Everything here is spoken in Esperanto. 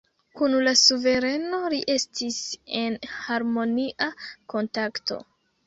Kun la suvereno li estis en harmonia kontakto.